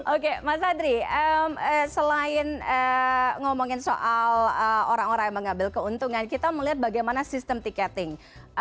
oke mas adri selain ngomongin soal orang orang yang mengambil keuntungan kita melihat bagaimana sistem tiketing